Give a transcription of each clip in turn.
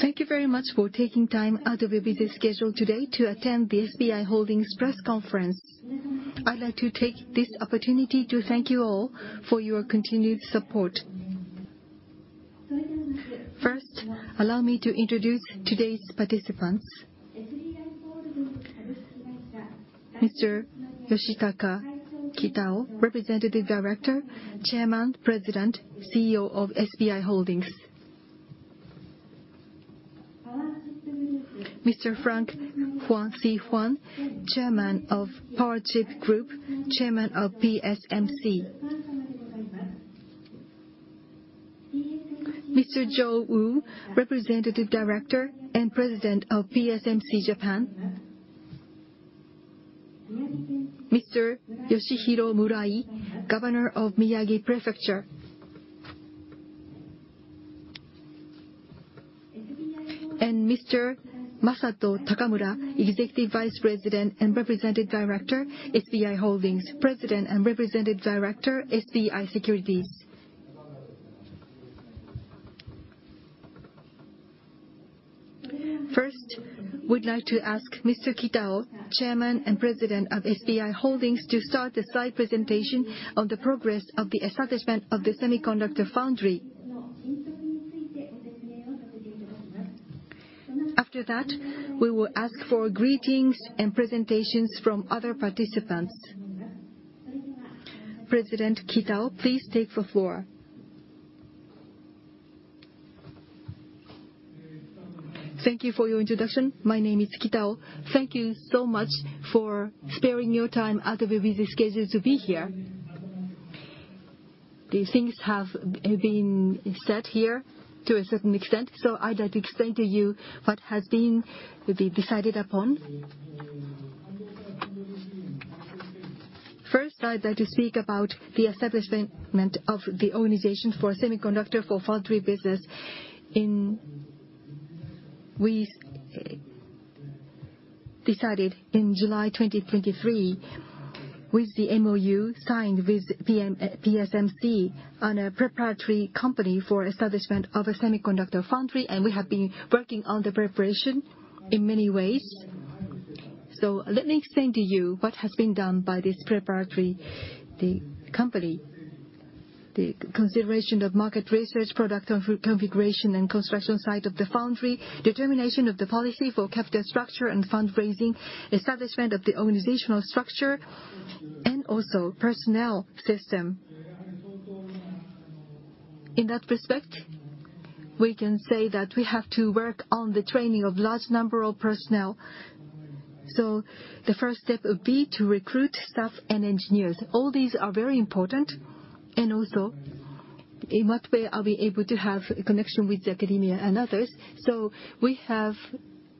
Thank you very much for taking time out of your busy schedule today to attend the SBI Holdings press conference. I'd like to take this opportunity to thank you all for your continued support. First, allow me to introduce today's participants. Mr. Yoshitaka Kitao, Representative Director, Chairman, President, CEO of SBI Holdings. Mr. Frank Huang, Chairman of Powerchip Group, Chairman of PSMC. Mr. Jo Wu, Representative Director and President of PSMC Japan. Mr. Yoshihiro Murai, Governor of Miyagi Prefecture. Mr. Masato Takamura, Executive Vice President and Representative Director, SBI Holdings, President and Representative Director, SBI Securities. First, we'd like to ask Mr. Kitao, Chairman and President of SBI Holdings, to start the slide presentation on the progress of the establishment of the semiconductor foundry. After that, we will ask for greetings and presentations from other participants. President Kitao, please take the floor. Thank you for your introduction. My name is Kitao. Thank you so much for sparing your time out of your busy schedules to be here. The things have been said here to a certain extent, I'd like to explain to you what has been decided upon. First, I'd like to speak about the establishment of the organization for semiconductor foundry business. We decided in July 2023 with the MOU signed with PSMC on a preparatory company for establishment of a semiconductor foundry, we have been working on the preparation in many ways. Let me explain to you what has been done by this preparatory company. The consideration of market research, product configuration, and construction site of the foundry, determination of the policy for capital structure and fundraising, establishment of the organizational structure, and also personnel system. In that respect, we can say that we have to work on the training of large number of personnel. The first step would be to recruit staff and engineers. All these are very important, and also, in what way are we able to have a connection with academia and others?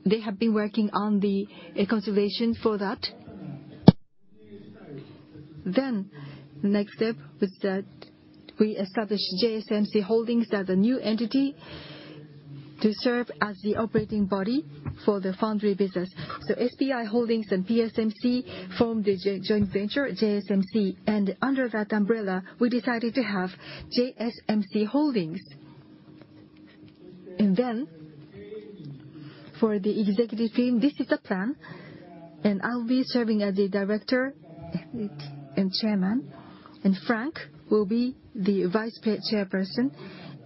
They have been working on the consideration for that. Next step was that we established JSMC Holdings as a new entity to serve as the operating body for the foundry business. SBI Holdings and PSMC formed a joint venture, JSMC, under that umbrella, we decided to have JSMC Holdings. Then, for the executive team, this is the plan. I'll be serving as the Director and Chairman, Frank will be the Vice Chairperson,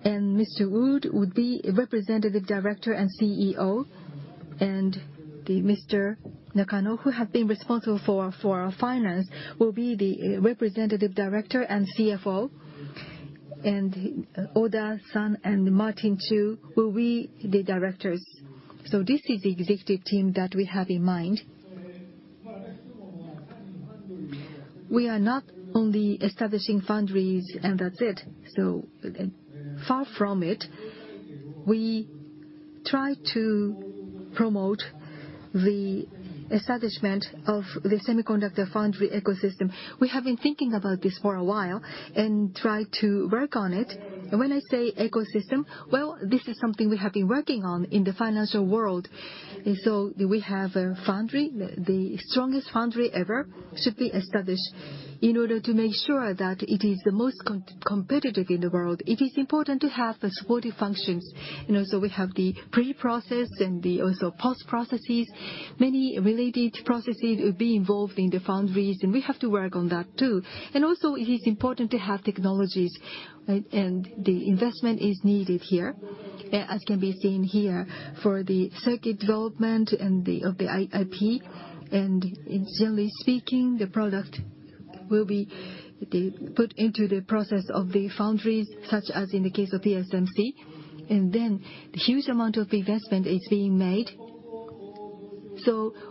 Mr. Woo would be Representative Director and CEO. Mr. Nakano, who has been responsible for our finance, will be the Representative Director and CFO. Oda-san and Martin Chu will be the directors. This is the executive team that we have in mind. We are not only establishing foundries and that's it. Far from it, we try to promote the establishment of the semiconductor foundry ecosystem. We have been thinking about this for a while and try to work on it. When I say ecosystem, well, this is something we have been working on in the financial world. We have a foundry. The strongest foundry ever should be established in order to make sure that it is the most competitive in the world. It is important to have the supportive functions. Also we have the pre-process and also post-processes. Many related processes will be involved in the foundries, and we have to work on that, too. It is important to have technologies, and the investment is needed here, as can be seen here, for the circuit development of the IP. Generally speaking, the product will be put into the process of the foundries, such as in the case of PSMC. Then, huge amount of investment is being made.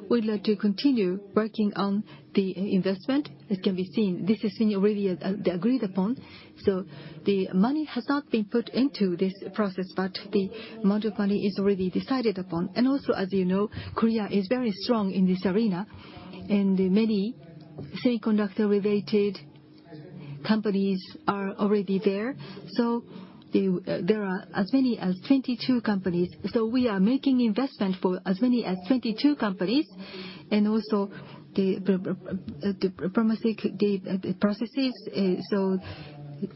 We'd like to continue working on the investment. It can be seen. This is already agreed upon, so the money has not been put into this process, but the amount of money is already decided upon. As you know, Korea is very strong in this arena, and many semiconductor-related companies are already there. There are as many as 22 companies. We are making investment for as many as 22 companies, and also the processes. The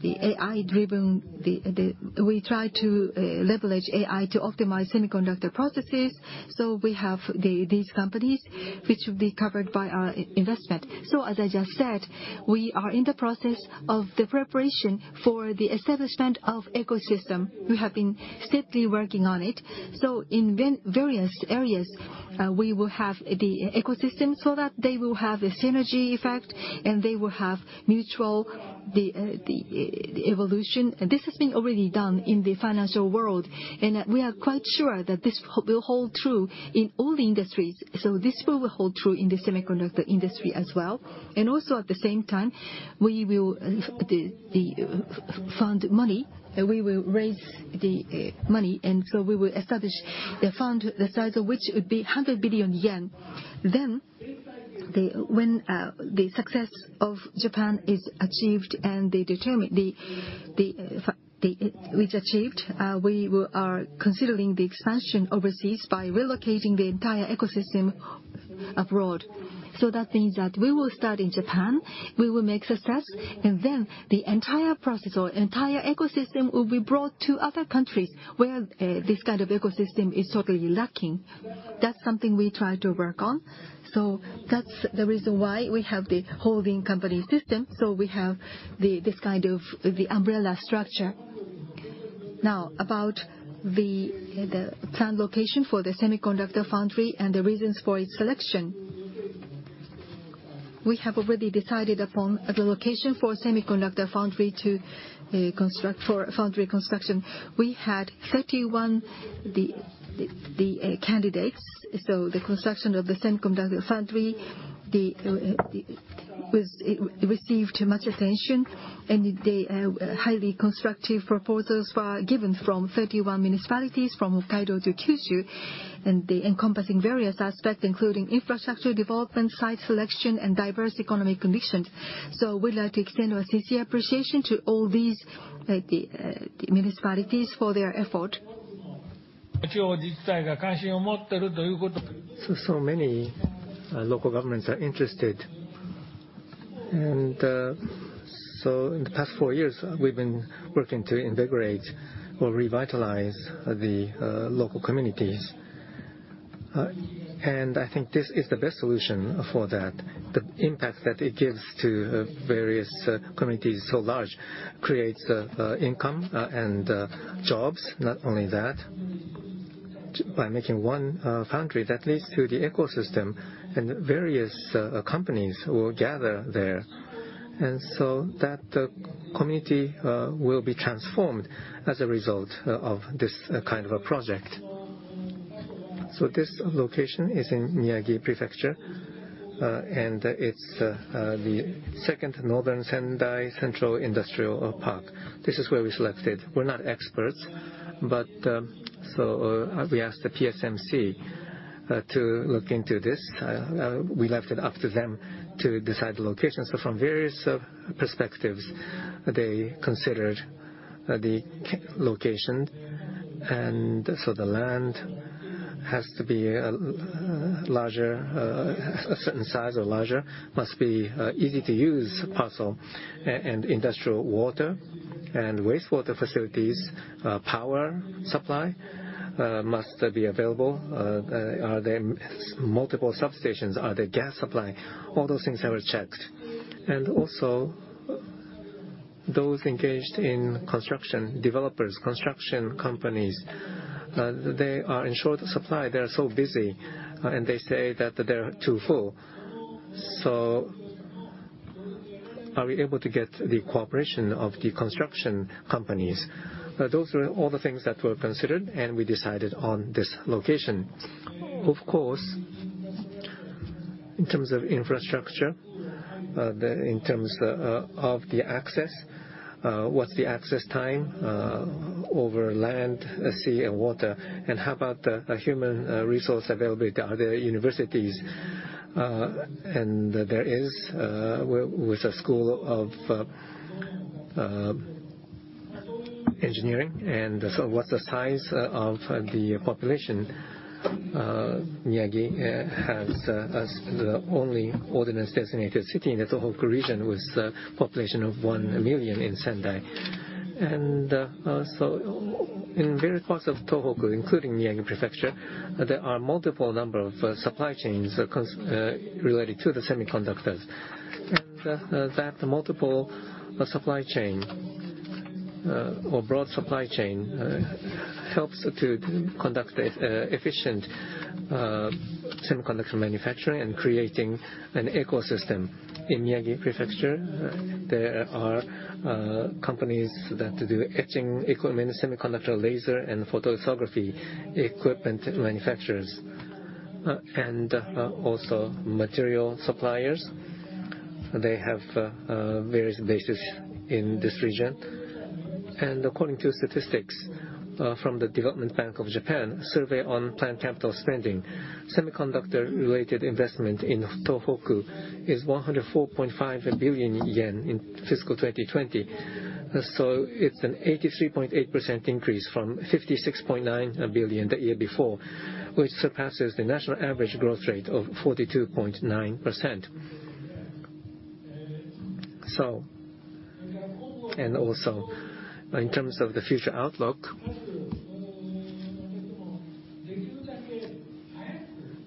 AI-driven, we try to leverage AI to optimize semiconductor processes. We have these companies which will be covered by our investment. As I just said, we are in the process of the preparation for the establishment of ecosystem. We have been steadily working on it. In various areas, we will have the ecosystem so that they will have a synergy effect, and they will have mutual evolution. This has been already done in the financial world, and we are quite sure that this will hold true in all the industries. This will hold true in the semiconductor industry as well. At the same time, we will fund money, and we will raise the money, and so we will establish the fund, the size of which would be 100 billion yen. When the success of Japan is achieved and they determine which achieved, we are considering the expansion overseas by relocating the entire ecosystem abroad. That means that we will start in Japan, we will make success, and then the entire process or entire ecosystem will be brought to other countries, where this kind of ecosystem is totally lacking. That's something we try to work on. That's the reason why we have the holding company system. We have this kind of the umbrella structure. About the planned location for the semiconductor foundry and the reasons for its selection. We have already decided upon the location for semiconductor foundry to construct, for foundry construction. We had 31 candidates, so the construction of the semiconductor foundry, received much attention, and the highly constructive proposals were given from 31 municipalities from Hokkaido to Kyushu, and encompassing various aspects, including infrastructure development, site selection, and diverse economic conditions. We'd like to extend our sincere appreciation to all these municipalities for their effort. Many local governments are interested. In the past four years, we've been working to integrate or revitalize the local communities. I think this is the best solution for that. The impact that it gives to various communities so large, creates income and jobs. Not only that, by making one foundry, that leads to the ecosystem, and various companies will gather there. That community will be transformed as a result of this kind of a project. This location is in Miyagi Prefecture, and it's the Second Northern Sendai Central Industrial Park. This is where we selected. We're not experts, but we asked the TSMC to look into this. We left it up to them to decide the location. From various perspectives, they considered the location. The land has to be a certain size or larger, must be easy to use parcel, and industrial water and wastewater facilities, power supply must be available. Are there multiple substations? Are there gas supply? All those things were checked. Also, those engaged in construction, developers, construction companies, they are in short supply. They are so busy, and they say that they are too full. Are we able to get the cooperation of the construction companies? Those were all the things that were considered, and we decided on this location. Of course, in terms of infrastructure, in terms of the access, what's the access time over land, sea, and water? How about the human resource available? Are there universities? There is with a school of engineering, what's the size of the population? Miyagi has the only ordinance-designated city in the Tohoku region, with a population of 1 million in Sendai. In various parts of Tohoku, including Miyagi Prefecture, there are multiple number of supply chains related to the semiconductors. That multiple supply chain or broad supply chain helps to conduct efficient semiconductor manufacturing and creating an ecosystem. In Miyagi Prefecture, there are companies that do etching equipment, semiconductor laser, and photography equipment manufacturers, and also material suppliers. They have various bases in this region. According to statistics from the Development Bank of Japan, a survey on planned capital spending, semiconductor-related investment in Tohoku is 104.5 billion yen in FY 2020. It's an 83.8% increase from 56.9 billion the year before, which surpasses the national average growth rate of 42.9%. Also, in terms of the future outlook,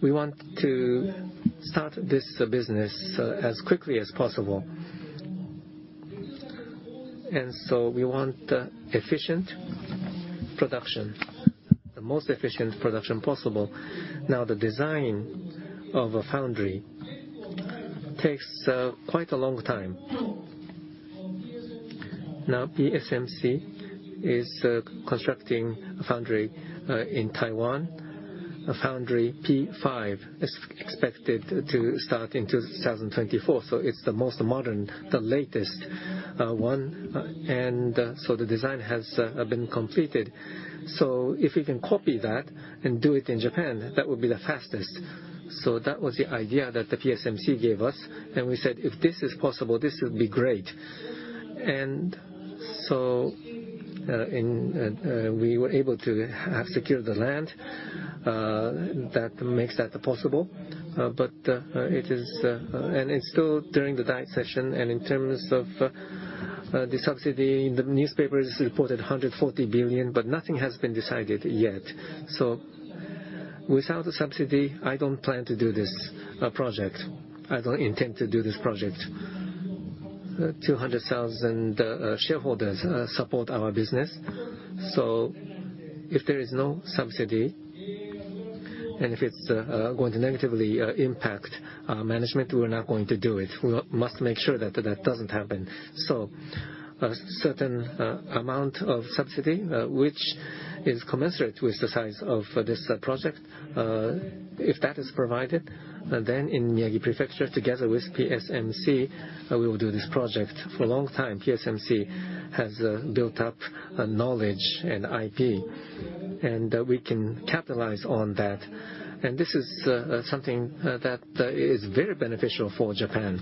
we want to start this business as quickly as possible. We want efficient production, the most efficient production possible. Now, the design of a foundry takes quite a long time. Now, PSMC is constructing a foundry in Taiwan. Foundry P5 is expected to start in 2024, it's the most modern, the latest one. The design has been completed. If we can copy that and do it in Japan, that would be the fastest. That was the idea that the PSMC gave us, and we said, "If this is possible, this would be great." We were able to secure the land that makes that possible. It's still during the diet session, and in terms of the subsidy, the newspapers reported 140 billion, but nothing has been decided yet. Without a subsidy, I don't plan to do this project. I don't intend to do this project. 200,000 shareholders support our business, if there is no subsidy, and if it is going to negatively impact management, we are not going to do it. We must make sure that doesn't happen. A certain amount of subsidy, which is commensurate with the size of this project, if that is provided, then in Miyagi Prefecture together with PSMC, we will do this project. For a long time, PSMC has built up knowledge and IP, and we can capitalize on that. This is something that is very beneficial for Japan.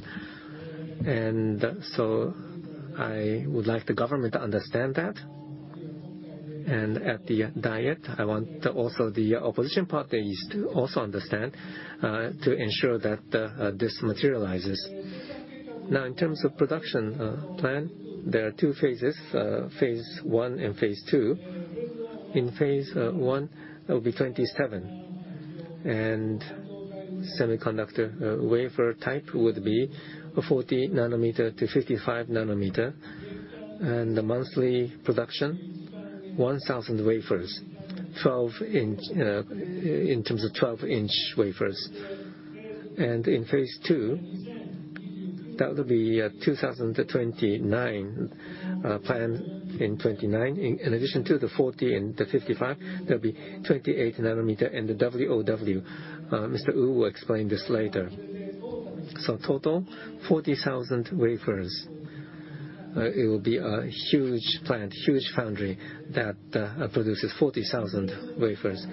I would like the government to understand that. At the diet, I want also the opposition parties to also understand, to ensure that this materializes. In terms of production plan, there are two phases, phase 1 and phase 2. In phase 1, that will be 2027, semiconductor wafer type would be 40 nanometer to 55 nanometer. The monthly production, 1,000 wafers, in terms of 12-inch wafers. In phase 2, that would be 2029, planned in 2029. In addition to the 40 and the 55, there will be 28 nanometer and the Wafer-on-Wafer. Mr. Wu will explain this later. Total, 40,000 wafers. It will be a huge plant, huge foundry that produces 40,000 wafers.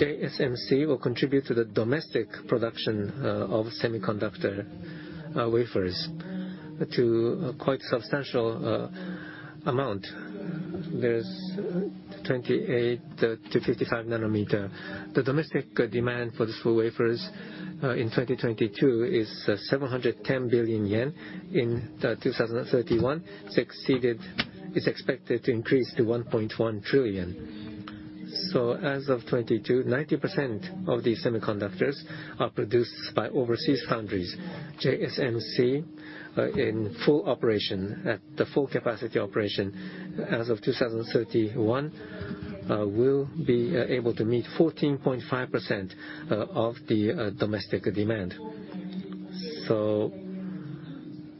JSMC will contribute to the domestic production of semiconductor wafers to a quite substantial amount. There is 28 to 55 nanometer. The domestic demand for the full wafers in 2022 is 710 billion yen. In 2031, it is expected to increase to 1.1 trillion. As of 2022, 90% of these semiconductors are produced by overseas foundries. JSMC, in full operation, at the full capacity operation, as of 2031, will be able to meet 14.5% of the domestic demand.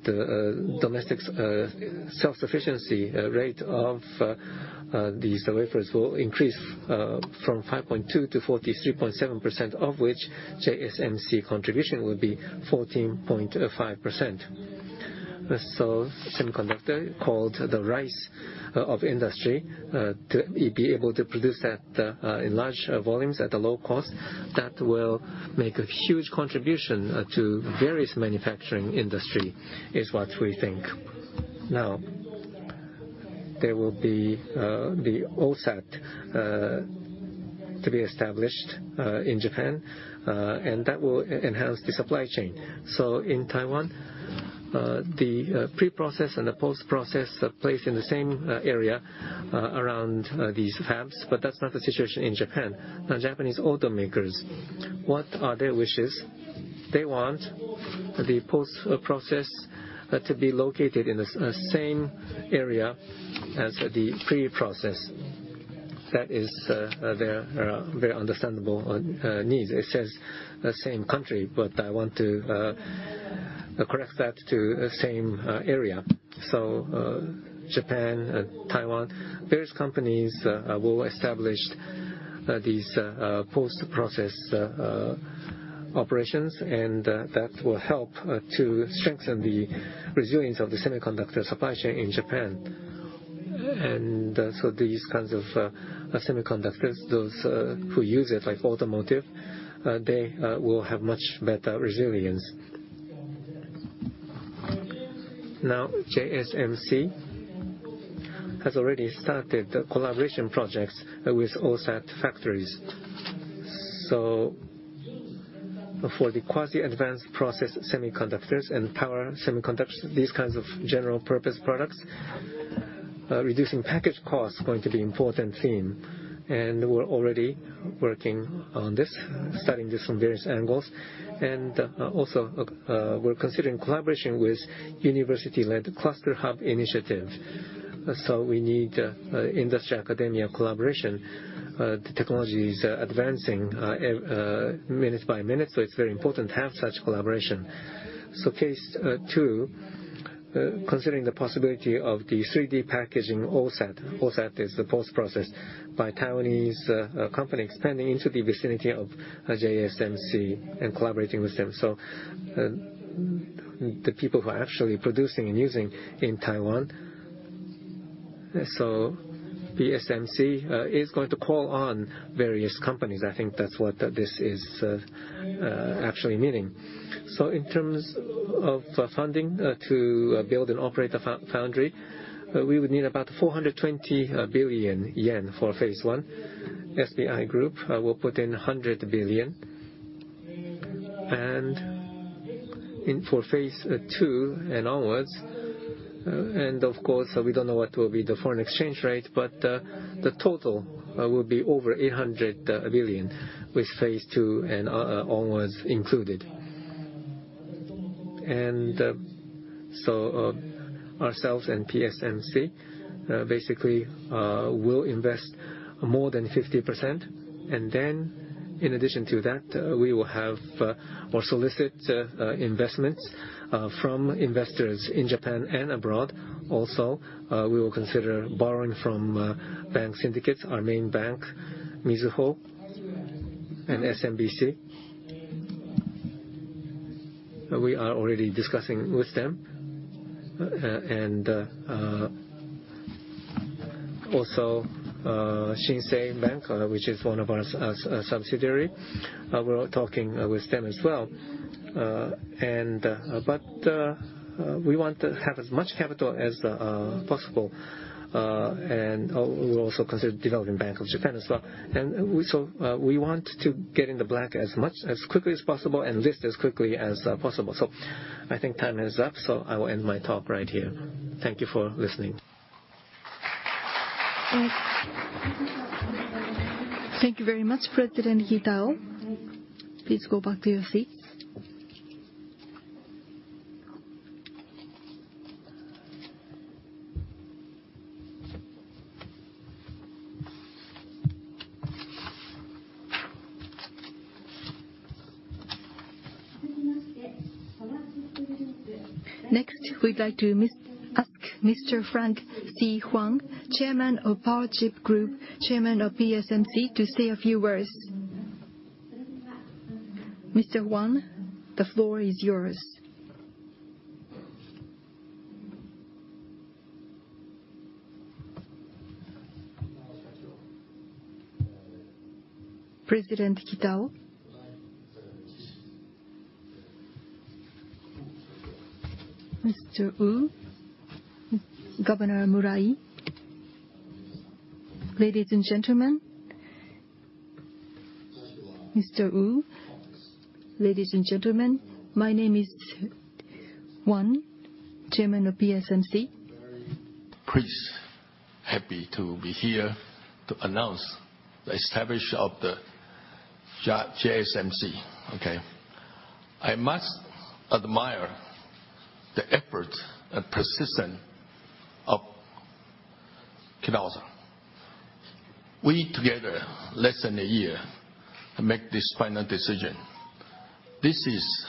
The domestic self-sufficiency rate of these wafers will increase from 5.2%-43.7%, of which JSMC contribution will be 14.5%. Semiconductor, called the rice of industry, to be able to produce that in large volumes at a low cost, that will make a huge contribution to various manufacturing industry, is what we think. There will be OSAT to be established in Japan, that will enhance the supply chain. In Taiwan, the pre-process and the post-process are placed in the same area around these fabs, but that is not the situation in Japan. Japanese automakers, what are their wishes? They want the post-process to be located in the same area as the pre-process. That is their very understandable needs. It says the same country, but I want to correct that to same area. Japan and Taiwan, various companies will establish these post-process operations, that will help to strengthen the resilience of the semiconductor supply chain in Japan. These kinds of semiconductors, those who use it, like automotive, they will have much better resilience. JSMC has already started the collaboration projects with OSAT factories. For the quasi-advanced process semiconductors and power semiconductors, these kinds of general-purpose products, reducing package cost is going to be important theme. We are already working on this, studying this from various angles. Also, we are considering collaboration with university-led cluster hub initiatives. We need industry-academia collaboration. The technology is advancing minute by minute, so it is very important to have such collaboration. Case 2, considering the possibility of the 3D packaging OSAT. OSAT is the post-process by a Taiwanese company expanding into the vicinity of JSMC and collaborating with them. The people who are actually producing and using in Taiwan. PSMC is going to call on various companies. I think that's what this is actually meaning. In terms of funding to build and operate a foundry, we would need about 420 billion yen for phase 1. SBI Group will put in 100 billion. For phase 2 and onwards, of course, we don't know what will be the foreign exchange rate, but the total will be over 800 billion with phase 2 and onwards included. Ourselves and PSMC basically will invest more than 50%. In addition to that, we will have or solicit investments from investors in Japan and abroad. Also, we will consider borrowing from bank syndicates, our main bank, Mizuho and SMBC. We are already discussing with them. Also Shinsei Bank, which is one of our subsidiaries, we're talking with them as well. We want to have as much capital as possible, and we will also consider Development Bank of Japan as well. We want to get in the black as quickly as possible and list as quickly as possible. I think time is up, so I will end my talk right here. Thank you for listening. Thank you very much, President Kitao. Please go back to your seat. Next, we'd like to ask Mr. Frank C. Huang, Chairman of Powerchip Group, Chairman of PSMC, to say a few words. Mr. Huang, the floor is yours. President Kitao. Mr. Wu. Mr. Wu, Governor Murai, ladies and gentlemen. Mr. Wu, ladies and gentlemen, my name is Huang, Chairman of PSMC. Very pleased, happy to be here to announce the establishment of the JSMC. I must admire the effort and persistence of Kitao. We, together, less than one year, make this final decision. This is,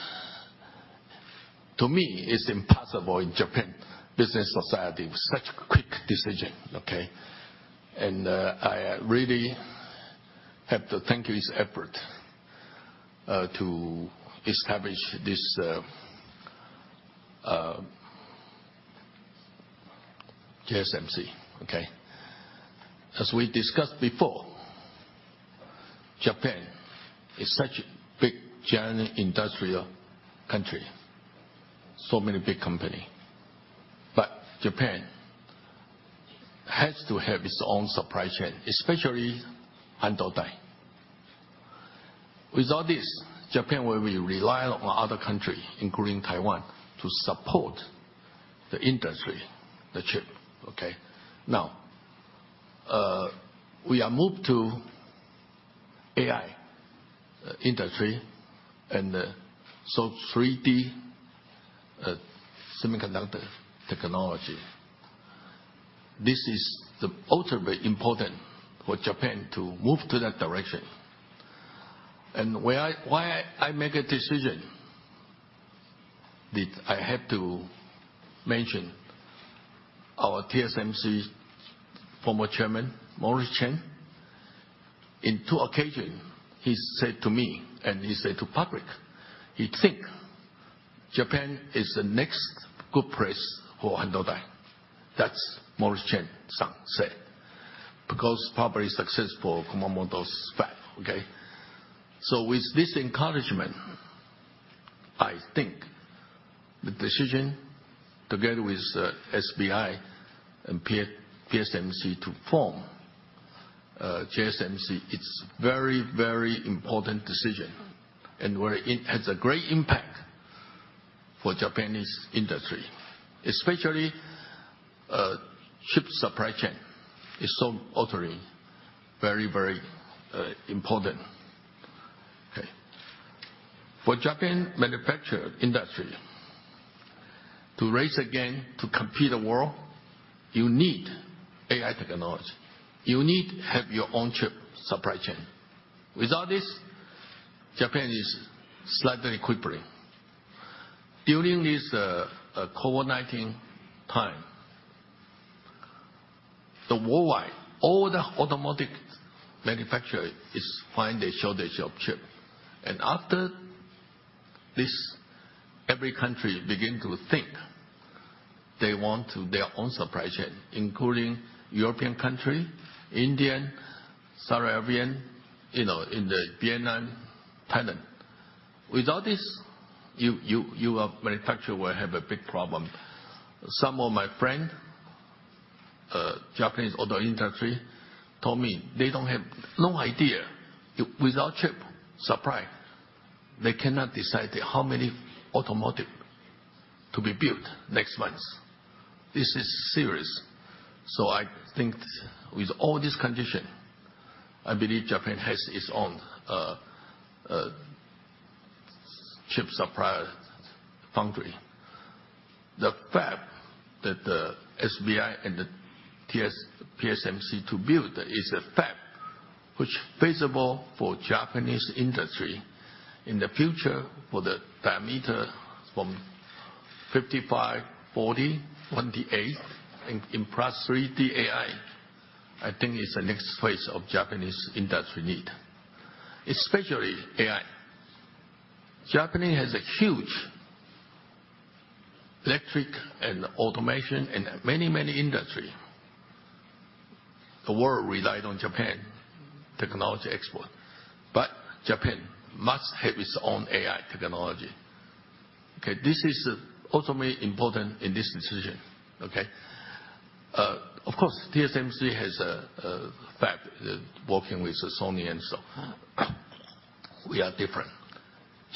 to me, is impossible in Japan business society, with such quick decision. I really have to thank his effort to establish this JSMC. As we discussed before, Japan is such a big, giant industrial country. So many big companies. Japan has to have its own supply chain, especially under foundry. Without this, Japan will rely on other countries, including Taiwan, to support the industry, the chip. Now, we are moved to AI industry, 3D semiconductor technology. This is the ultimately important for Japan to move to that direction. Why I make a decision that I had to mention our TSMC's former chairman, Morris Chang. In two occasion, he said to me and he said to public, he think Japan is the next good place for foundry. That's Morris Chang-san say. Because probably successful Kumamoto's fab. With this encouragement, I think the decision, together with SBI and PSMC to form JSMC, it's very important decision and where it has a great impact for Japanese industry. Especially, chip supply chain is so utterly very, very important. For Japan manufacturer industry, to race again, to compete the world, you need AI technology. You need to have your own chip supply chain. Without this, Japan is slightly quivering. During this COVID-19 time, the worldwide, all the automotive manufacturer is find a shortage of chip. After this, every country begin to think they want to their own supply chain, including European country, Indian, Saudi Arabian, in the Vietnam, Thailand. Without this, you will manufacture will have a big problem. Some of my friend, Japanese auto industry, told me they don't have no idea. Without chip supply, they cannot decide how many automotive to be built next month. This is serious. I think with all this condition, I believe Japan has its own chip supply foundry. The fab that the SBI and the PSMC to build is a fab which feasible for Japanese industry. In the future, for the diameter from 55, 40, 28, and in plus 3D AI, I think it's the next phase of Japanese industry need, especially AI. Japan has a huge electric and automation and many, many industry. The world relied on Japan technology export. Japan must have its own AI technology. Okay. This is ultimately important in this decision. Okay. Of course, TSMC has a fab that working with Sony and so on. We are different.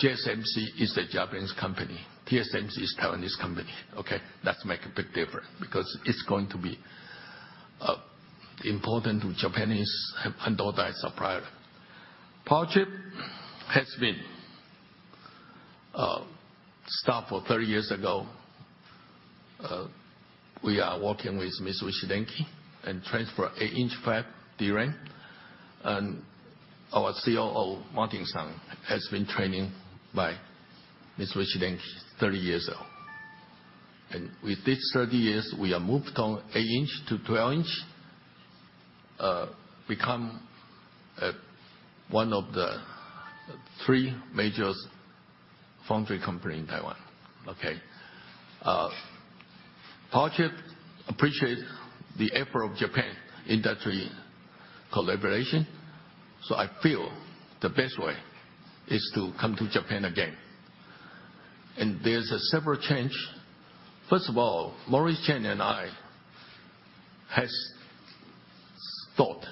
JSMC is a Japanese company. TSMC is Taiwanese company, okay? That's make a big difference because it's going to be important to Japanese foundry supplier. Powerchip has been start for 30 years ago. We are working with Mitsubishi Denki and transfer 8-inch fab DRAM. Our COO, Martin-san, has been training by Mitsubishi Denki 30 years ago. With this 30 years, we have moved on 8-inch to 12-inch, become one of the three majors foundry company in Taiwan. Okay. Powerchip appreciate the effort of Japan industry collaboration, I feel the best way is to come to Japan again. There's a several change. First of all, Morris Chang and I has thought,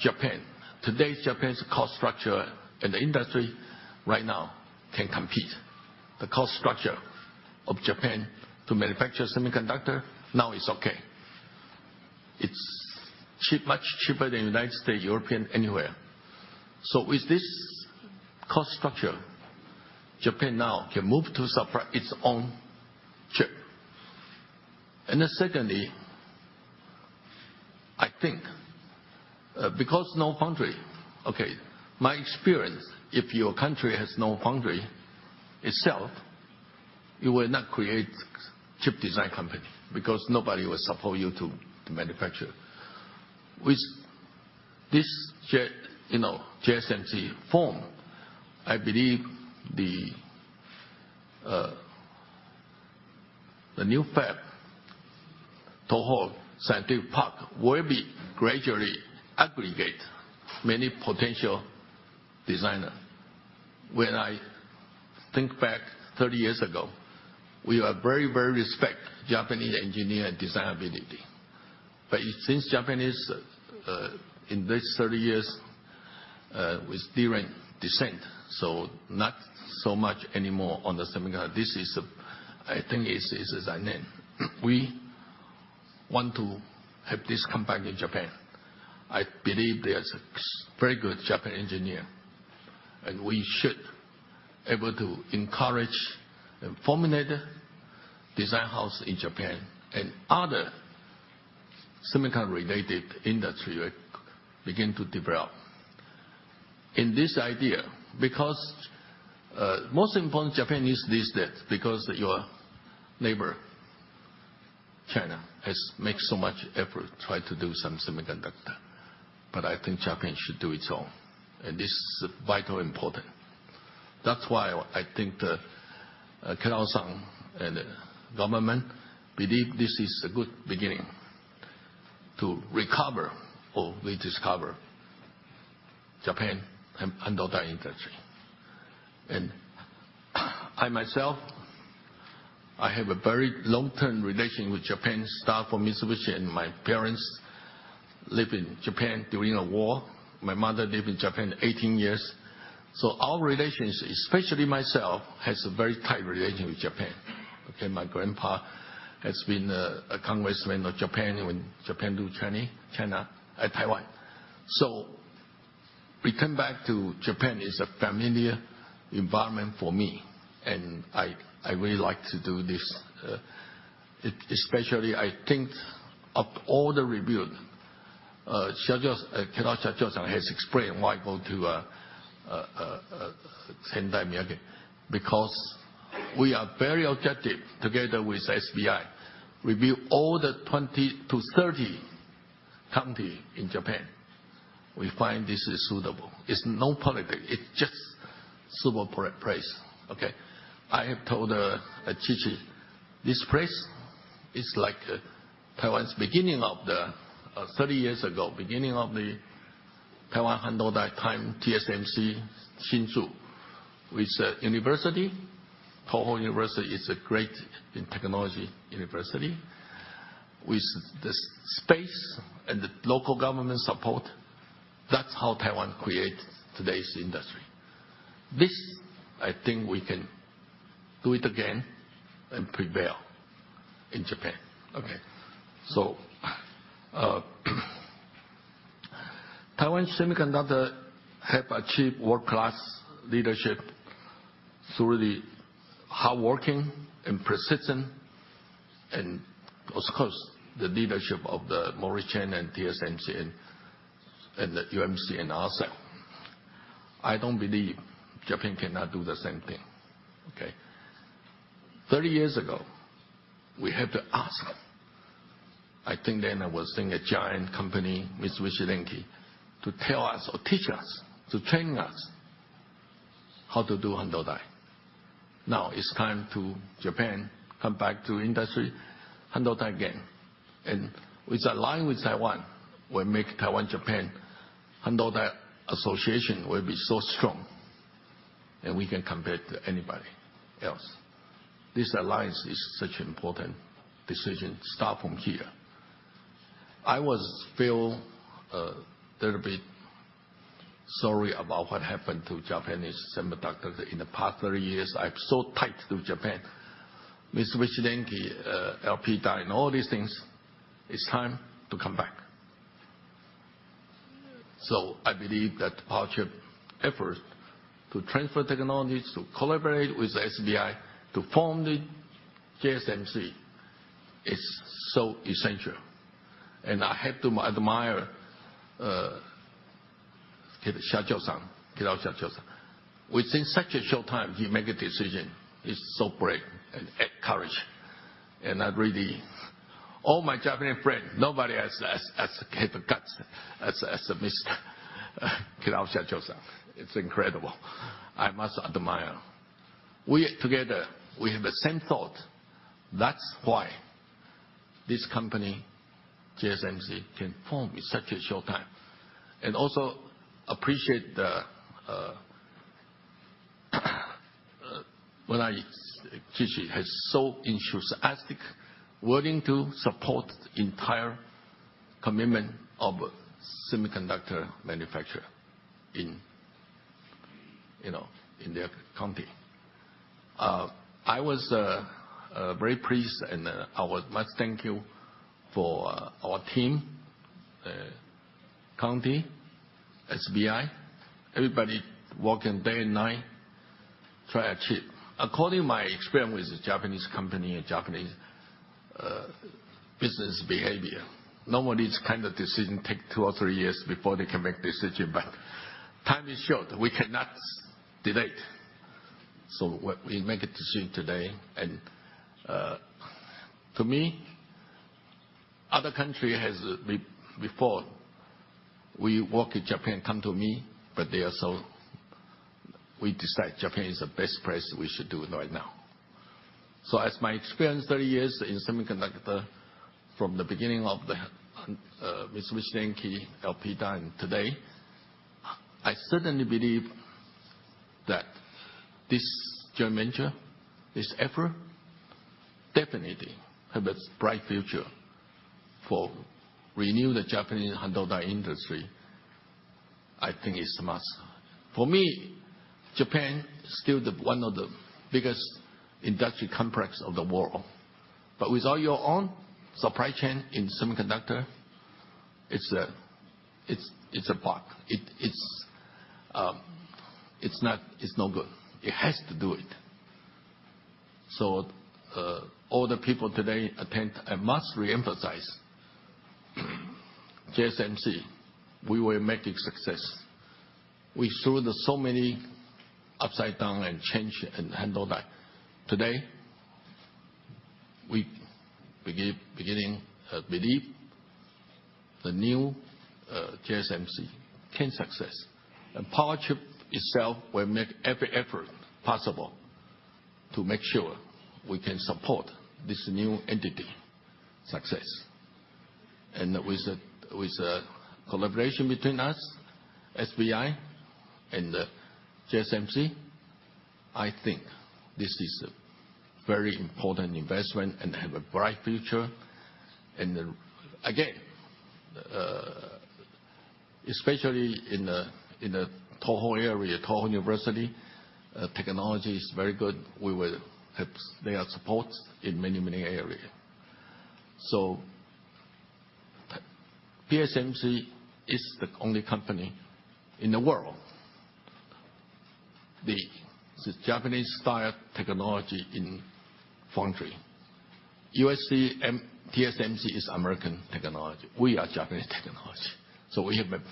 Japan, today Japan's cost structure and the industry right now can compete. The cost structure of Japan to manufacture semiconductor now is okay. It's much cheaper than United States, European, anywhere. With this cost structure, Japan now can move to supply its own chip. Secondly, I think, because no foundry. Okay. My experience, if your country has no foundry itself, you will not create chip design company because nobody will support you to manufacture. With this JSMC form, I believe the new fab, Tohoku University Science Park, will be gradually aggregate many potential designer. When I think back 30 years ago, we are very, very respect Japanese engineer design ability. Since Japanese, in this 30 years, with DRAM descent, not so much anymore on the semiconductor. This is, I think, as I name. We want to have this come back in Japan. I believe there's a very good Japanese engineer. We should able to encourage and formulate design house in Japan and other semiconductor related industry will begin to develop. In this idea, because most important, Japan needs this because your neighbor, China, has made so much effort to try to do some semiconductor. I think Japan should do its own. This is vital important. That's why I think that Kitao-san and the government believe this is a good beginning to recover or rediscover Japan and other industry. I myself, I have a very long-term relation with Japan, start from Mitsubishi, and my parents live in Japan during a war. My mother lived in Japan 18 years. Our relations, especially myself, has a very tight relation with Japan. My grandpa has been a congressman of Japan when Japan do China Taiwan. We come back to Japan is a familiar environment for me, and I really like to do this. Especially, I think, of all the review, Kitao-san has explained why go to Sendai, Miyagi. We are very objective together with SBI. Review all the 20 to 30 county in Japan. We find this is suitable. It's no politic. It's just suitable place. Okay. I have told Chiji this place is like Taiwan's beginning of the 30 years ago, beginning of the Taiwan handheld time, TSMC Hsinchu. With university, Tohoku University is a great technology university. With the space and the local government support, that's how Taiwan create today's industry. This, I think we can do it again and prevail in Japan. Okay. Taiwan Semiconductor have achieved world-class leadership through the hard-working and persistent and, of course, the leadership of Morris Chang and TSMC and UMC and ourselves. I don't believe Japan cannot do the same thing. Okay. 30 years ago, we had to ask. I think then I was in a giant company, Mitsubishi Electric, to tell us or teach us, to train us how to do Handai. Now it's time to Japan come back to industry Handai again. With align with Taiwan will make Taiwan, Japan Handai association will be so strong, and we can compete to anybody else. This alliance is such important decision start from here. I was feel a little bit sorry about what happened to Japanese semiconductors in the past 30 years. I'm so tied to Japan. Mitsubishi Electric, Elpida, and all these things, it's time to come back. I believe that our chip effort to transfer technologies, to collaborate with SBI, to form the JSMC is so essential. I have to admire Kitao-san, Kitao-shacho Kitao-san. Within such a short time he make a decision. He's so brave and courage. I really All my Japanese friend, nobody has as, have guts as Mr. Kitao-shacho Kitao-san. It's incredible. I must admire. We together, we have the same thought. That's why this company, JSMC, can form in such a short time. Also appreciate Murai Chiji has so enthusiastic, willing to support entire commitment of semiconductor manufacturer in their country. I was very pleased, and I was much thank you for our team, county, SBI, everybody working day and night try to achieve. According my experience with the Japanese company and Japanese business behavior, normally this kind of decision take 2 or 3 years before they can make decision, but time is short. We cannot delay. We make a decision today. To me, other country has before we work with Japan, come to me, but they are so We decide Japan is the best place we should do it right now. As my experience 30 years in semiconductor, from the beginning of the Mitsubishi Electric, Elpida, and today, I certainly believe that this joint venture, this effort, definitely have a bright future for renew the Japanese Handai industry. I think it's a must. For me, Japan still the one of the biggest industry complex of the world. Without your own supply chain in semiconductor. It's a bug. It's no good. It has to do it. All the people today attend, I must re-emphasize, JSMC, we will make it success. We saw so many upside down and change in Handai. Today, I beginning believe the new JSMC can success. Powerchip itself will make every effort possible to make sure we can support this new entity success. With the collaboration between us, SBI, and JSMC, I think this is a very important investment and have a bright future. Again, especially in the Tohoku area, Tohoku University, technology is very good. They are support in many area. PSMC is the only company in the world, the Japanese-style technology in foundry. TSMC is American technology. We are Japanese technology. We have a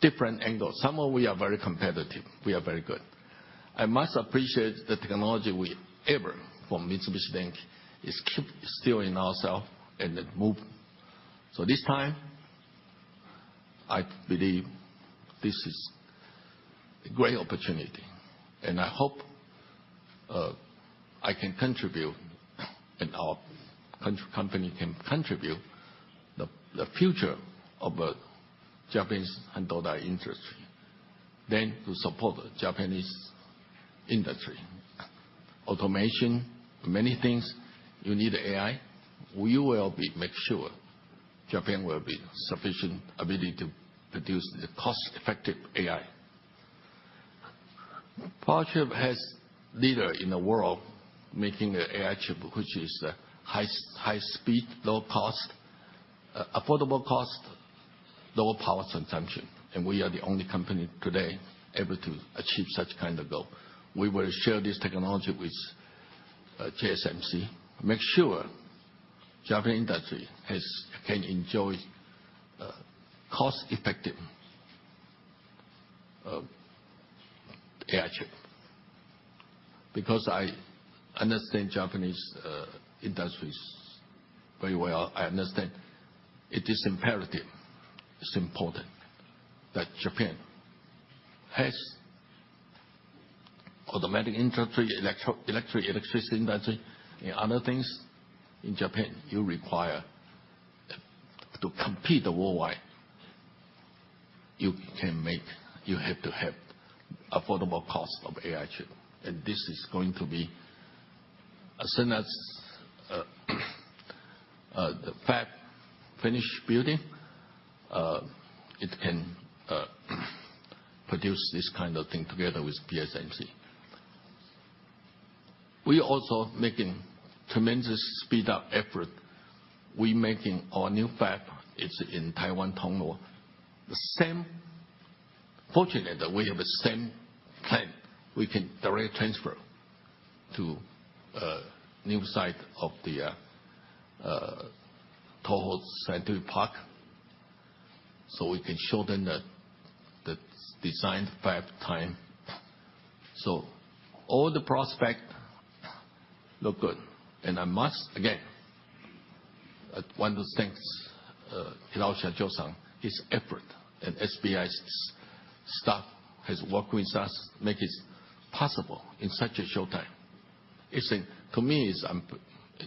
different angle. Some of we are very competitive, we are very good. I must appreciate the technology we able from Mitsubishi Bank is keep still in ourself and it move. This time, I believe this is a great opportunity. I hope I can contribute, and our company can contribute the future of a Japanese handle die industry. To support the Japanese industry. Automation, many things, you need AI. We will make sure Japan will be sufficient ability to produce the cost-effective AI. Powerchip is a leader in the world making an AI chip, which is high speed, low cost, affordable cost, lower power consumption. We are the only company today able to achieve such kind of goal. We will share this technology with JSMC, make sure Japanese industry can enjoy cost-effective AI chip. I understand Japanese industries very well. I understand it is imperative, it's important that Japan has automatic industry, electricity industry, and other things in Japan, you require to compete worldwide. You have to have affordable cost of AI chip. This is going to be, as soon as the fab finish building, it can produce this kind of thing together with PSMC. We also making tremendous speed up effort. We making our new fab, it's in Taiwan, Tongluo. Fortunately, we have the same plan. We can directly transfer to a new site of the Tohoku University Science Park. We can shorten the designed fab time. All the prospect look good. I must, again, want to thank Hirosha Josan, his effort, and SBI's staff has worked with us, make it possible in such a short time. To me, it's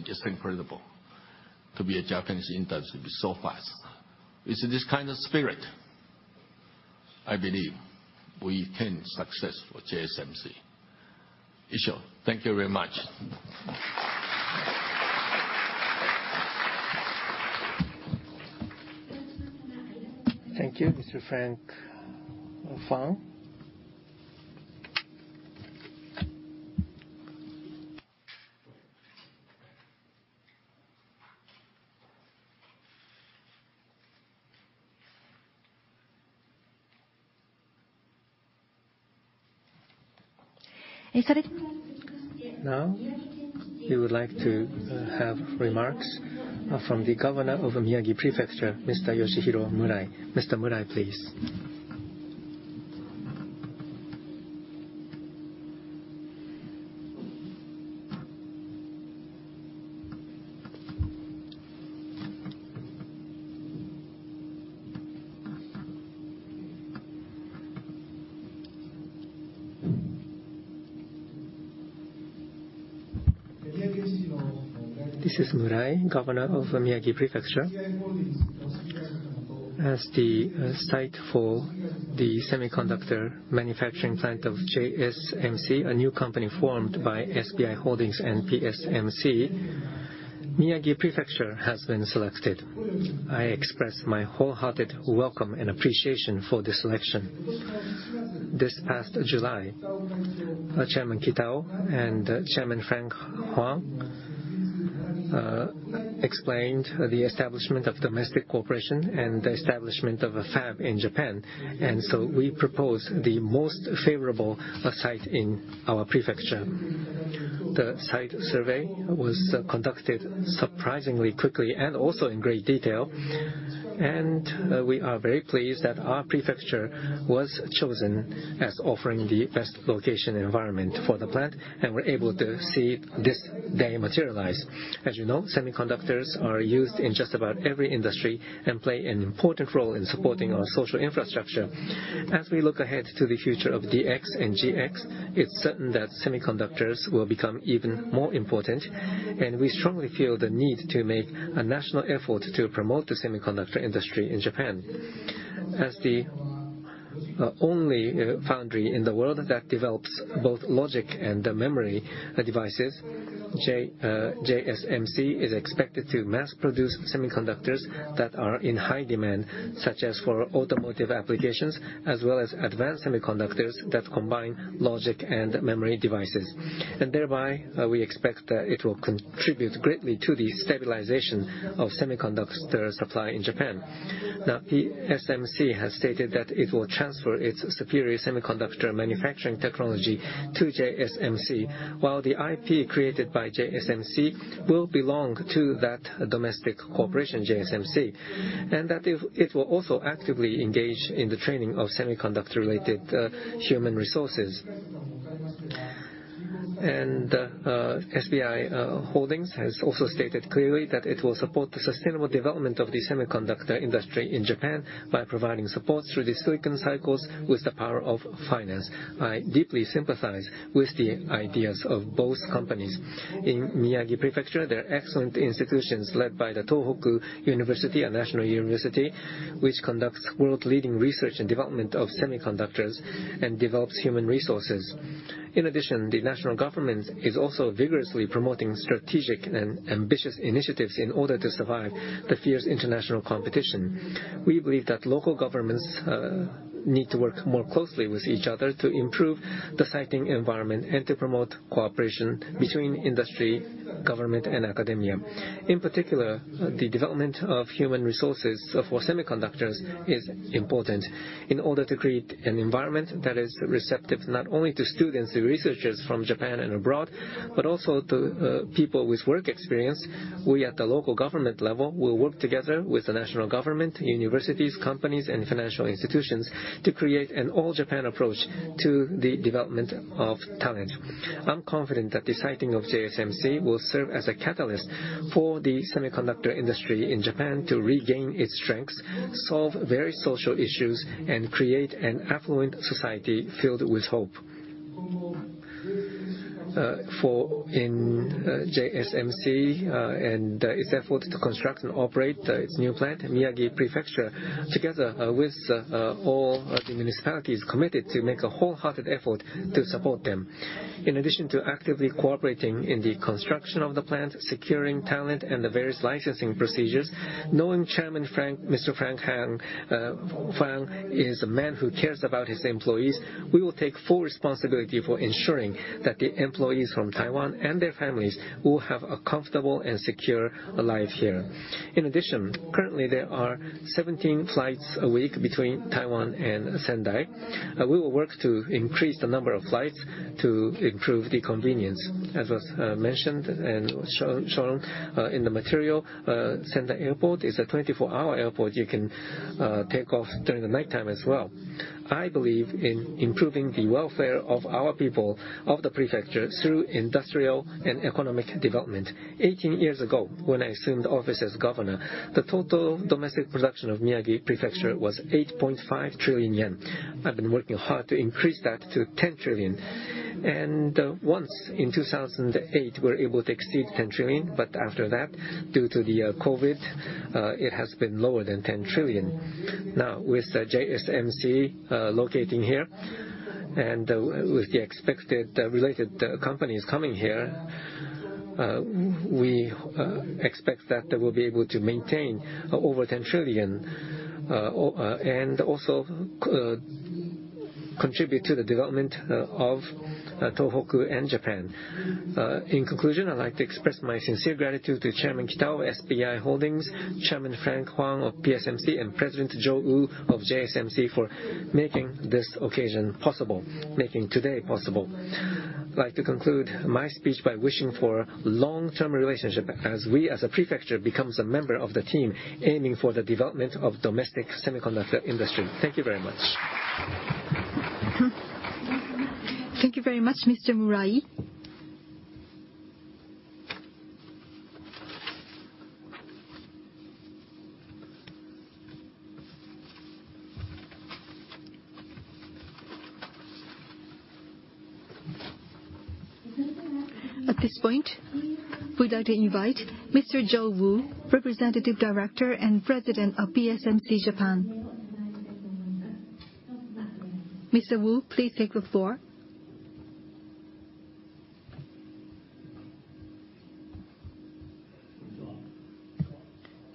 just incredible to be a Japanese industry be so fast. It's this kind of spirit I believe we can success for JSMC. Issho. Thank you very much. Thank you, Mr. Frank Huang. Now, we would like to have remarks from the Governor of Miyagi Prefecture, Mr. Yoshihiro Murai. Mr. Murai, please. This is Murai, Governor of Miyagi Prefecture. As the site for the semiconductor manufacturing plant of JSMC, a new company formed by SBI Holdings and PSMC, Miyagi Prefecture has been selected. I express my wholehearted welcome and appreciation for the selection. This past July, Chairman Kitao and Chairman Frank Huang explained the establishment of domestic cooperation and the establishment of a fab in Japan. We propose the most favorable site in our prefecture. The site survey was conducted surprisingly quickly and also in great detail, and we are very pleased that our prefecture was chosen as offering the best location environment for the plant, and we're able to see this day materialize. As you know, semiconductors are used in just about every industry and play an important role in supporting our social infrastructure. As we look ahead to the future of DX and GX, it's certain that semiconductors will become even more important, and we strongly feel the need to make a national effort to promote the semiconductor industry in Japan. As the only foundry in the world that develops both logic and memory devices, JSMC is expected to mass produce semiconductors that are in high demand, such as for automotive applications, as well as advanced semiconductors that combine logic and memory devices. Thereby, we expect that it will contribute greatly to the stabilization of semiconductor supply in Japan. PSMC has stated that it will transfer its superior semiconductor manufacturing technology to JSMC, while the IP created by JSMC will belong to that domestic corporation, JSMC, and that it will also actively engage in the training of semiconductor-related human resources. SBI Holdings has also stated clearly that it will support the sustainable development of the semiconductor industry in Japan by providing support through the silicon cycles with the power of finance. I deeply sympathize with the ideas of both companies. In Miyagi Prefecture, there are excellent institutions led by Tohoku University, a national university, which conducts world-leading research and development of semiconductors and develops human resources. In addition, the national government is also vigorously promoting strategic and ambitious initiatives in order to survive the fierce international competition. We believe that local governments need to work more closely with each other to improve the siting environment and to promote cooperation between industry, government, and academia. In particular, the development of human resources for semiconductors is important. In order to create an environment that is receptive not only to students and researchers from Japan and abroad, but also to people with work experience, we at the local government level will work together with the national government, universities, companies, and financial institutions to create an all-Japan approach to the development of talent. I'm confident that the siting of JSMC will serve as a catalyst for the semiconductor industry in Japan to regain its strength, solve various social issues, and create an affluent society filled with hope. For JSMC and its effort to construct and operate its new plant, Miyagi Prefecture, together with all the municipalities, committed to make a wholehearted effort to support them. In addition to actively cooperating in the construction of the plant, securing talent, and the various licensing procedures, knowing Mr. Frank Huang is a man who cares about his employees, we will take full responsibility for ensuring that the employees from Taiwan and their families will have a comfortable and secure life here. In addition, currently, there are 17 flights a week between Taiwan and Sendai. We will work to increase the number of flights to improve the convenience. As was mentioned and shown in the material, Sendai Airport is a 24-hour airport. You can take off during the nighttime as well. I believe in improving the welfare of our people of the prefecture through industrial and economic development. 18 years ago, when I assumed office as governor, the total domestic production of Miyagi Prefecture was 8.5 trillion yen. I've been working hard to increase that to 10 trillion. Once, in 2008, we were able to exceed 10 trillion, but after that, due to the COVID, it has been lower than 10 trillion. With JSMC locating here and with the expected related companies coming here, we expect that we'll be able to maintain over 10 trillion, and also contribute to the development of Tohoku and Japan. In conclusion, I'd like to express my sincere gratitude to Chairman Kitao of SBI Holdings, Chairman Frank Huang of PSMC, and President Jo Wu of JSMC for making this occasion possible, making today possible. I'd like to conclude my speech by wishing for a long-term relationship as we, as a prefecture, become a member of the team aiming for the development of domestic semiconductor industry. Thank you very much. Thank you very much, Mr. Murai. At this point, we'd like to invite Mr. Jo Wu, representative director and president of PSMC Japan. Mr. Wu, please take the floor.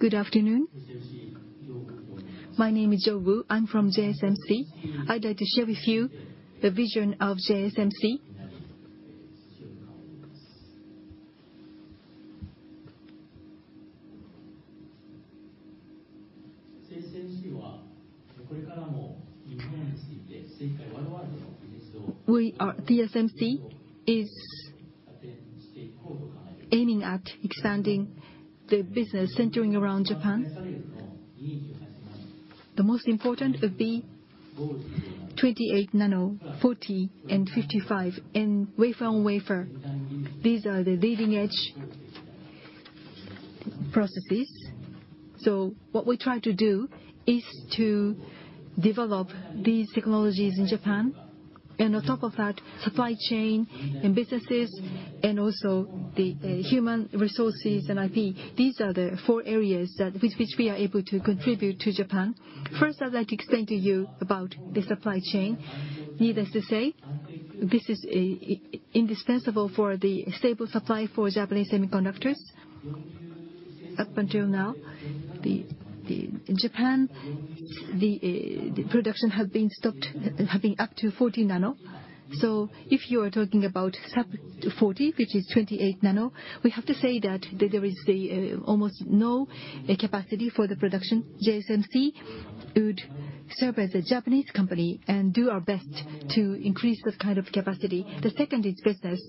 Good afternoon. My name is Jo Wu. I'm from JSMC. I'd like to share with you the vision of JSMC. JSMC is aiming at expanding the business centering around Japan. The most important would be 28 nano, 40, and 55, and Wafer-on-Wafer. These are the leading-edge processes. What we try to do is to develop these technologies in Japan. On top of that, supply chain and businesses, and also the human resources and IP. These are the four areas with which we are able to contribute to Japan. First, I'd like to explain to you about the supply chain. Needless to say, this is indispensable for the stable supply for Japanese semiconductors. Up until now, in Japan, the production had been up to 40 nano. If you are talking about sub-40, which is 20 nano, we have to say that there is almost no capacity for production. JSMC would serve as a Japanese company and do our best to increase that kind of capacity. The second is business.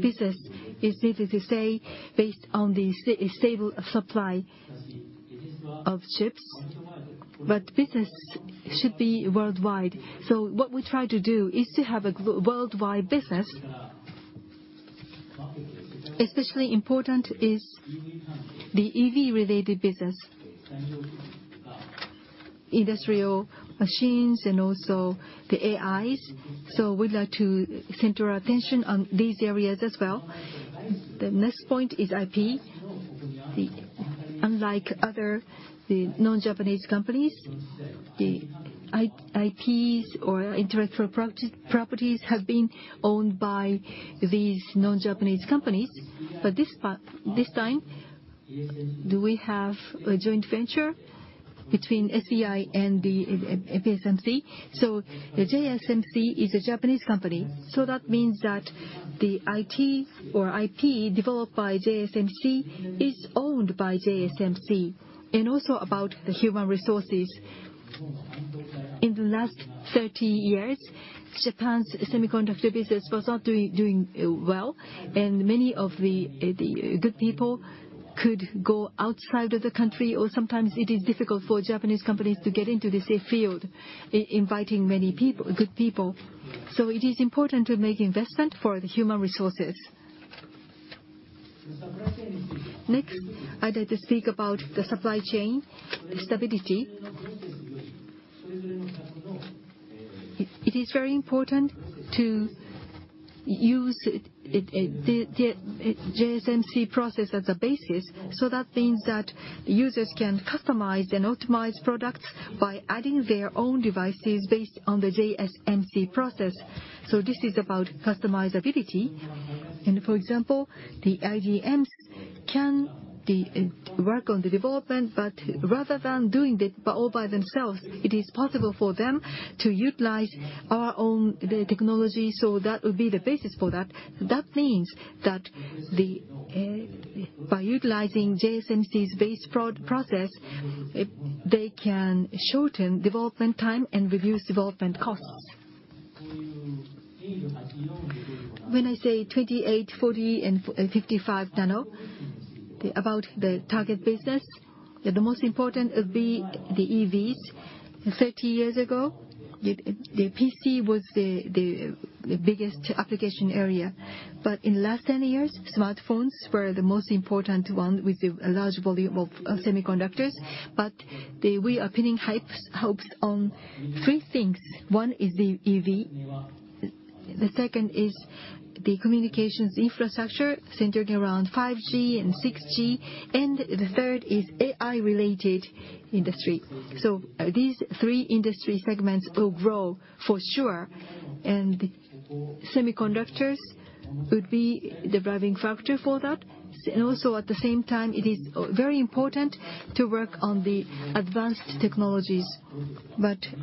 Business is needless to say, based on the stable supply of chips, but business should be worldwide. What we try to do is to have a worldwide business. Especially important is the EV-related business, industrial machines, and also the AIs, we'd like to center our attention on these areas as well. The next point is IP. Unlike other non-Japanese companies, the IPs or intellectual properties have been owned by these non-Japanese companies. This time, we have a joint venture between SBI and the PSMC. The JSMC is a Japanese company, so that means that the IP or IP developed by JSMC is owned by JSMC. Also about the human resources. In the last 30 years, Japan's semiconductor business was not doing well, and many of the good people could go outside of the country, or sometimes it is difficult for Japanese companies to get into this field, inviting many good people. It is important to make investment for the human resources. Next, I'd like to speak about the supply chain stability. It is very important to use the JSMC process as a basis, so that means that users can customize and optimize products by adding their own devices based on the JSMC process. This is about customizability. For example, the IDMs can work on the development, but rather than doing it all by themselves, it is possible for them to utilize our own technology, so that would be the basis for that. That means that by utilizing JSMC's base process, they can shorten development time and reduce development costs. When I say 28, 40, and 55 nano, about the target business, the most important would be the EVs. 30 years ago, the PC was the biggest application area. In the last 10 years, smartphones were the most important one with a large volume of semiconductors. We are pinning hopes on three things. One is the EV, the second is the communications infrastructure centered around 5G and 6G, and the third is AI-related industry. These three industry segments will grow for sure, and semiconductors would be the driving factor for that. Also, at the same time, it is very important to work on the advanced technologies.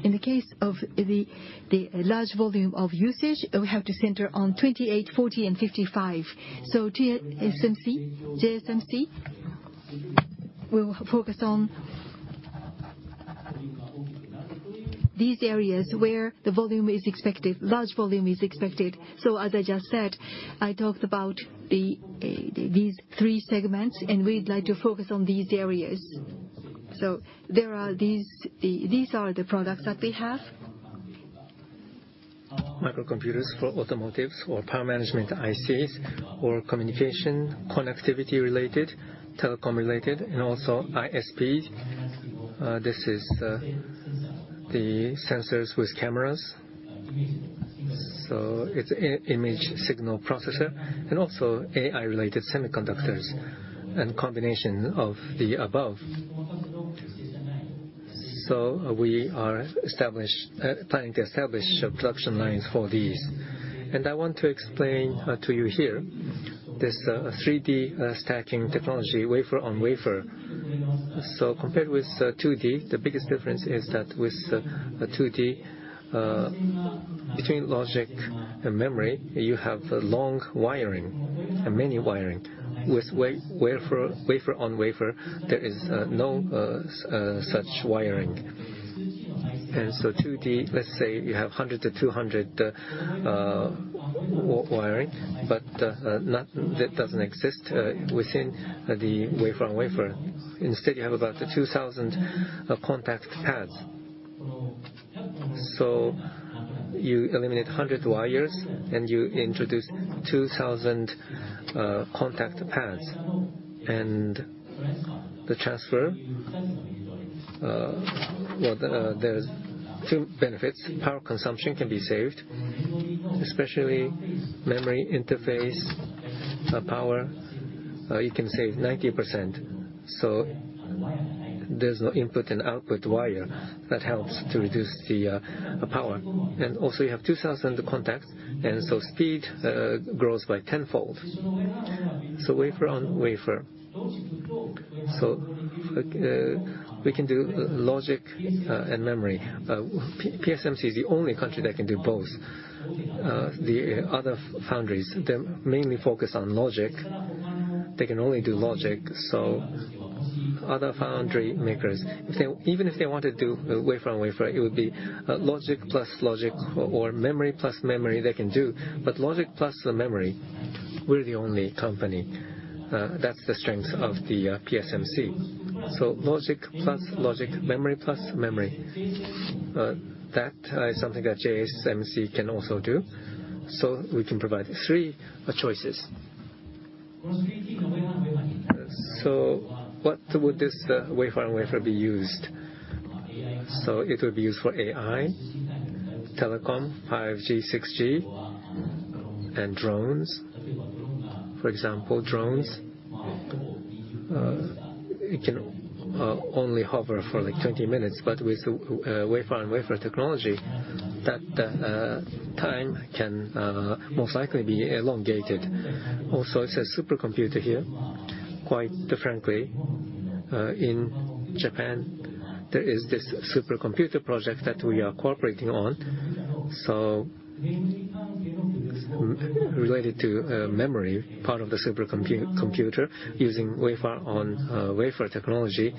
In the case of the large volume of usage, we have to center on 28, 40, and 55. JSMC will focus on these areas where the large volume is expected. As I just said, I talked about these three segments, and we'd like to focus on these areas. These are the products that we have. Microcomputers for automotives or power management ICs, or communication, connectivity-related, telecom-related, and also ISPs. This is the sensors with cameras. It is an image signal processor, and also AI-related semiconductors and combination of the above. We are planning to establish production lines for these. I want to explain to you here, this 3D stacking technology, Wafer-on-Wafer. Compared with 2D, the biggest difference is that with 2D, between logic and memory, you have long wiring and many wiring. With Wafer-on-Wafer, there is no such wiring. 2D, let's say, you have 100 to 200 wiring, but that doesn't exist within the Wafer-on-Wafer. Instead, you have about 2,000 contact pads. You eliminate 100 wires, and you introduce 2,000 contact pads. The transfer, well, there are two benefits. Power consumption can be saved, especially memory interface power. You can save 90%, there is no input and output wire. That helps to reduce the power. You have 2,000 contacts, and speed grows by tenfold. Wafer-on-Wafer. We can do logic and memory. PSMC is the only company that can do both. The other foundries, they mainly focus on logic. They can only do logic, other foundry makers, even if they wanted to do Wafer-on-Wafer, it would be logic plus logic or memory plus memory they can do. Logic plus memory, we are the only company. That is the strength of the PSMC. Logic plus logic, memory plus memory. That is something that JSMC can also do, we can provide three choices. What would this Wafer-on-Wafer be used? It will be used for AI, telecom, 5G, 6G, and drones. For example, drones, it can only hover for 20 minutes, but with Wafer-on-Wafer technology, that time can most likely be elongated. Also, it is a supercomputer here. Quite frankly, in Japan, there is this supercomputer project that we are cooperating on. Related to memory, part of the supercomputer, using Wafer-on-Wafer technology,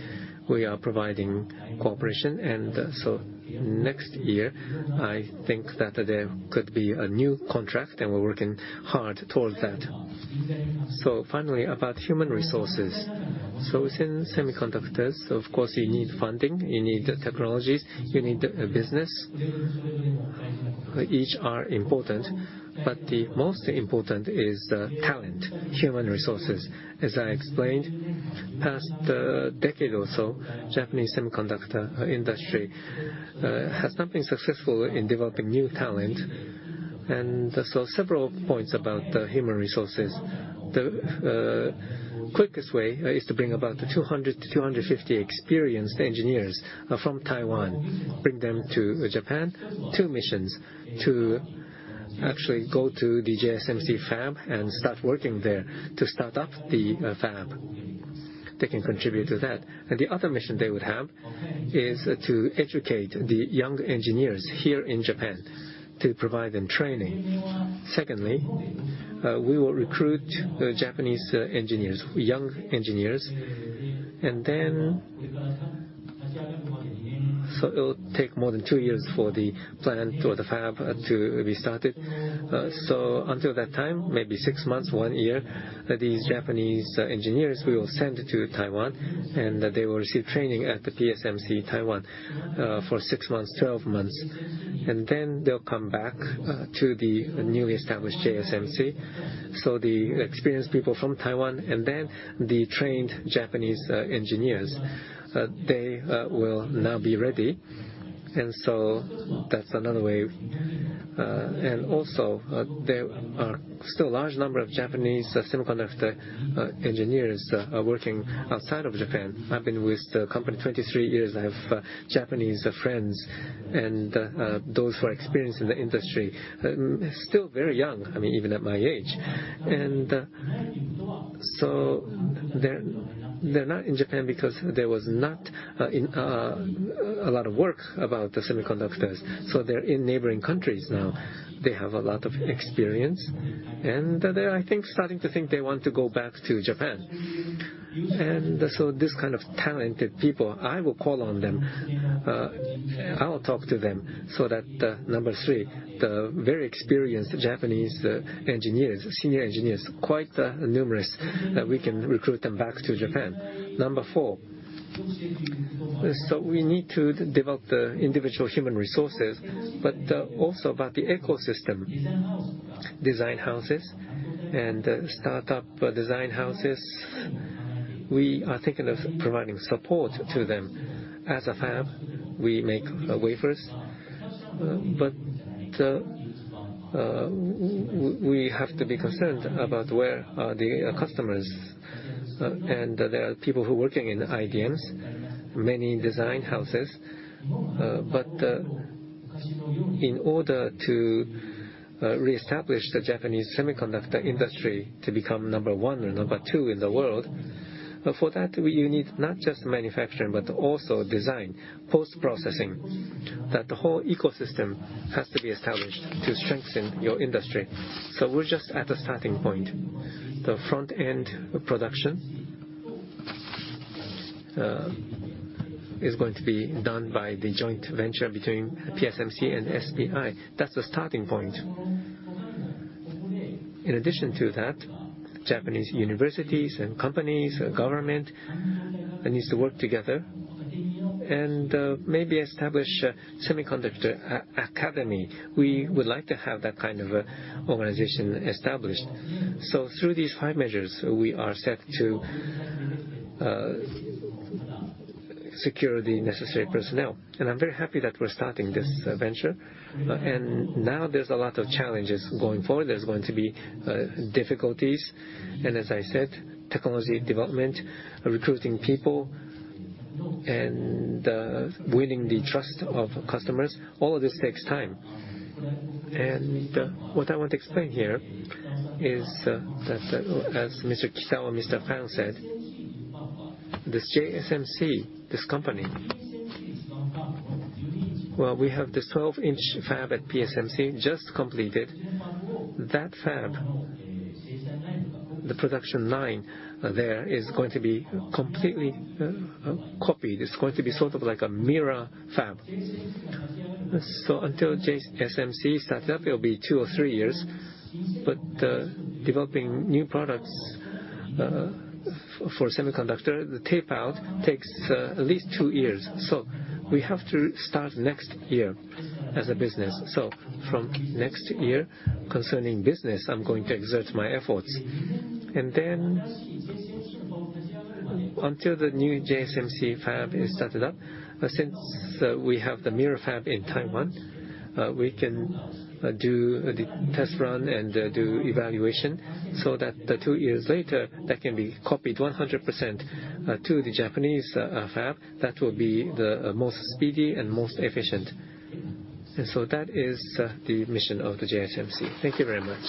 we are providing cooperation. Next year, I think that there could be a new contract, and we are working hard towards that. Finally, about human resources. Within semiconductors, of course, you need funding, you need technologies, you need business. Each are important, but the most important is the talent, human resources. As I explained, past decade or so, Japanese semiconductor industry has not been successful in developing new talent. Several points about human resources. The quickest way is to bring about 200 to 250 experienced engineers from Taiwan, bring them to Japan. Two missions, to actually go to the JSMC fab and start working there to start up the fab. They can contribute to that. The other mission they would have is to educate the young engineers here in Japan, to provide them training. Secondly, we will recruit Japanese engineers, young engineers, it will take more than two years for the plant or the fab to be started. Until that time, maybe six months, one year, these Japanese engineers, we will send to Taiwan, and they will receive training at the PSMC in Taiwan for 6 months, 12 months. They will come back to the newly established JSMC. The experienced people from Taiwan, and the trained Japanese engineers, they will now be ready. That is another way. There are still large number of Japanese semiconductor engineers working outside of Japan. I have been with the company 23 years. I have Japanese friends and those who are experienced in the industry, still very young, I mean, even at my age. They're not in Japan because there was not a lot of work about the semiconductors. They're in neighboring countries now. They have a lot of experience, and they are, I think, starting to think they want to go back to Japan. This kind of talented people, I will call on them. I will talk to them so that, number three, the very experienced Japanese engineers, senior engineers, quite numerous, that we can recruit them back to Japan. Number four, we need to develop the individual human resources, but also about the ecosystem design houses and startup design houses. We are thinking of providing support to them. As a fab, we make wafers. We have to be concerned about where the customers are. There are people who are working in IDMs, many design houses. In order to reestablish the Japanese semiconductor industry to become number one or number two in the world, for that, we need not just manufacturing, but also design, post-processing, that the whole ecosystem has to be established to strengthen your industry. We're just at the starting point. The front-end production is going to be done by the joint venture between PSMC and SBI. That's the starting point. In addition to that, Japanese universities and companies or government needs to work together and maybe establish a semiconductor academy. We would like to have that kind of organization established. Through these five measures, we are set to secure the necessary personnel. I'm very happy that we're starting this venture, and now there's a lot of challenges going forward. There's going to be difficulties and, as I said, technology development, recruiting people, and winning the trust of customers. All of this takes time. What I want to explain here is that, as Mr. Kisow or Mr. Huang said, this JSMC, this company, well, we have the 12-inch fab at PSMC just completed. That fab, the production line there is going to be completely copied. It's going to be sort of like a mirror fab. Until JSMC starts up, it'll be two or three years, but developing new products for semiconductor, the tape-out takes at least two years. We have to start next year as a business. From next year, concerning business, I'm going to exert my efforts. Until the new JSMC fab is started up, since we have the mirror fab in Taiwan, we can do the test run and do evaluation so that the two years later, that can be copied 100% to the Japanese fab. That will be the most speedy and most efficient. That is the mission of the JSMC. Thank you very much.